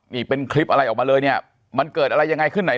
นี่เป็นคลิปอะไรออกมาเลยเนี่ยมันเกิดอะไรยังไงขึ้นไหน